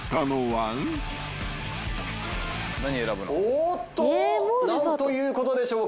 おっと何ということでしょうか。